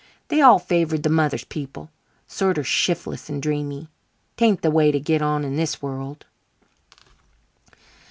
They all favoured the mother's people sorter shiftless and dreamy. 'Taint the way to git on in this world."